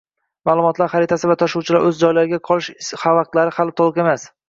Ma'lumotlar xaritasi va tashuvchilar o'z joylarida qolish vaqtlari hali to'liq emas